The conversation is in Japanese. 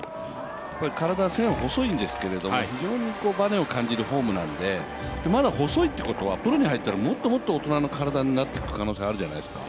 体、線が細いんですけど非常にバネを感じるフォームなので、まだ細いってことは、プロに入ったらまだまだ大人の体になっていく可能性があるじゃないですか。